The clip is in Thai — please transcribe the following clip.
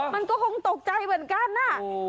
มันก็คงตกใจเหมือนกันน่ะ